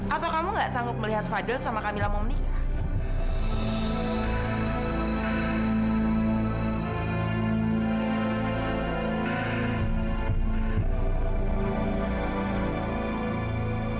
atau kamu gak sanggup melihat fadel sama kamila mau menikah